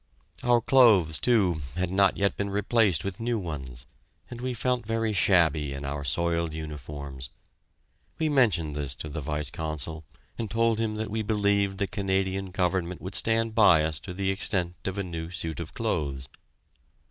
Our clothes too had not yet been replaced with new ones, and we felt very shabby in our soiled uniforms. We mentioned this to the Vice Consul, and told him that we believed the Canadian Government would stand by us to the extent of a new suit of clothes.